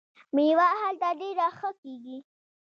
میوه هلته ډیره ښه کیږي.